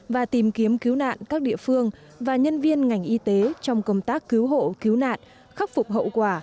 và tìm kiếm cứu nạn các địa phương và nhân viên ngành y tế trong công tác cứu hộ cứu nạn khắc phục hậu quả